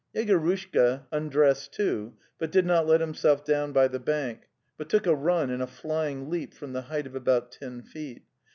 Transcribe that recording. Yegorushka undressed, too, but did not let himself down by the bank, but took a run and a flying leap from the height of about ten feet.